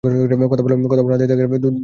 কথা বলো না আদিতদা, দুঃখ আর বাড়িয়ো না।